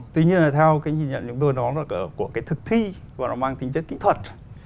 tuy nhiên là theo cái nhìn nhận chúng tôi nó là của cái thực thi và nó mang tính chất kỹ thuật